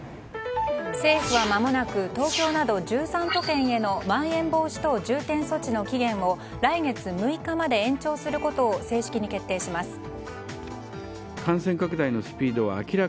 政府はまもなく東京など１３都県へのまん延防止等重点措置の期限を来月６日まで延長することを正式に決定します。